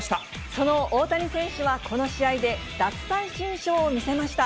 その大谷選手は、この試合で奪三振ショーを見せました。